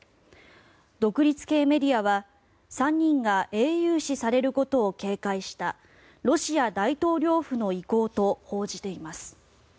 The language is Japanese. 独立系メディアは３人が英雄視されることを警戒したロシア大統領府の意向と報じています。